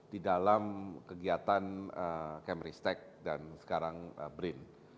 di dalam kegiatan cambridge tech dan sekarang brin